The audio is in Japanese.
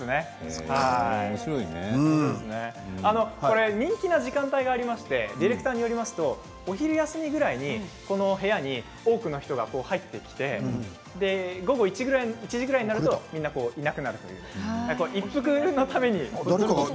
これ、人気の時間帯がありましてディレクターによりますとお昼休みぐらいにこの部屋に多くの人が入ってきて午後１時ぐらいになるとみんな、いなくなると。